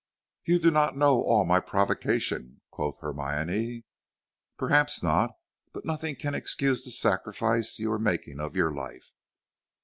"You do not know all my provocation," quoth Hermione. "Perhaps not, but nothing can excuse the sacrifice you are making of your life.